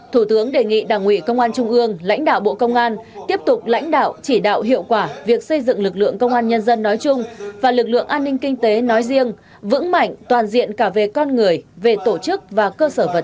thủ tướng đề nghị lực lượng an ninh kinh tế phải làm tốt nhiệm vụ quản lý về an ninh kinh tế lời tham hỏi ân cần và tri ân sâu sắc